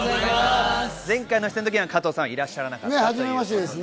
前回の出演の時には加藤さんはいらっしゃらなかったんですよね。